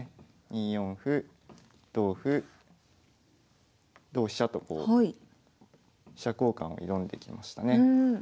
２四歩同歩同飛車とこう飛車交換を挑んできましたね。